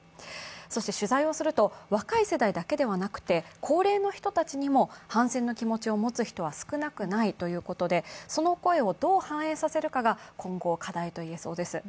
そして取材をすると、若い世代だけではなくて高齢の人たちにも反戦の気持ちを持つ人は少なくないということでその声をどう反映させるかが今後、課題と言えそうです。